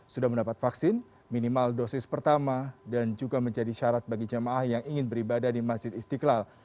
sudah mendapat vaksin minimal dosis pertama dan juga menjadi syarat bagi jamaah yang ingin beribadah di masjid istiqlal